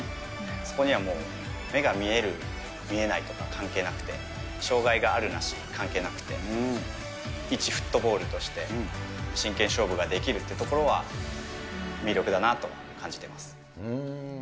そこにはもう目が見える、見えないとか関係なくて、障がいがあるなし関係なくて、いちフットボールとして、真剣勝負ができるというところは、魅力だなと感じています。